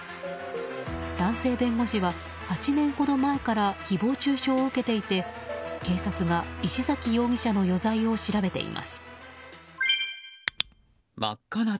男性弁護士は、８年ほど前から誹謗中傷を受けていて警察が石崎容疑者の余罪を調べています。